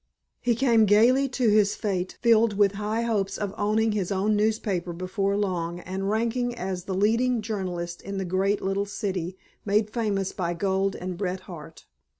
He came gaily to his fate filled with high hopes of owning his own newspaper before long and ranking as the leading journalist in the great little city made famous by gold and Bret Harte.